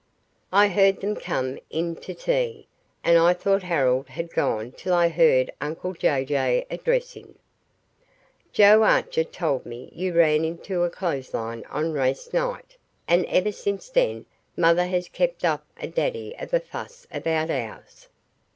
I heard them come in to tea, and I thought Harold had gone till I heard uncle Jay Jay address him: "Joe Archer told me you ran into a clothes line on race night, and ever since then mother has kept up a daddy of a fuss about ours.